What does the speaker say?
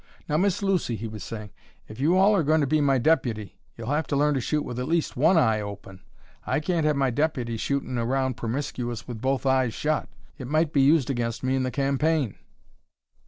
"Now, Miss Lucy," he was saying, "if you all are going to be my deputy, you'll have to learn to shoot with at least one eye open. I can't have my deputy shootin' around promiscuous with both eyes shut. It might be used against me in the campaign."